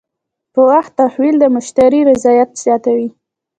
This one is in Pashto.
په وخت تحویل د مشتری رضایت زیاتوي.